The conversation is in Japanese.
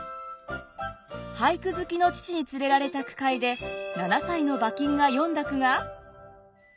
俳句好きの父に連れられた句会で７歳の馬琴が詠んだ句が。